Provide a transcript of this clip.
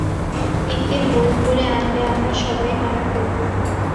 একে বৌ করে আনলে আমরা সবাই মারা পড়ব।